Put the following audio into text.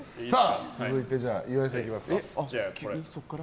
続いて、岩井さんいきますか。